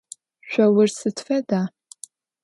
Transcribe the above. Şsour sıd feda?